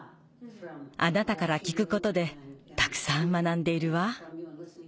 あなたから聞くことでたくさん学んでいるわ。